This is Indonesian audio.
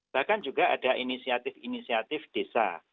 bahkan juga ada inisiatif inisiatif desa